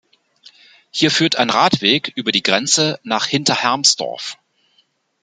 Hier führt ein Radweg über die Grenze nach Hinterhermsdorf.